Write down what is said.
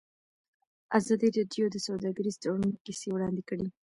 ازادي راډیو د سوداګریز تړونونه کیسې وړاندې کړي.